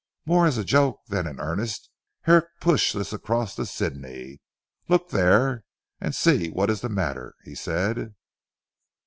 More as a joke than in earnest, Herrick pushed this across to Sidney. "Look there and see what is the matter," he said.